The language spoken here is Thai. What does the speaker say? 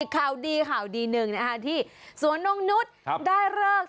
ข่าวดีข่าวดีหนึ่งที่สวนนงนุษย์ได้เลิก